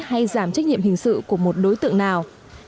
hay giảm trách nhiệm hình sự của một đối tượng nào